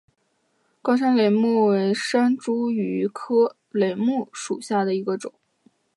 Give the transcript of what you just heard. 高山梾木为山茱萸科梾木属下的一个种。